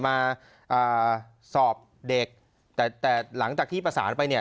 มาอ่าสอบเด็กแต่แต่หลังจากที่ประสานไปเนี่ย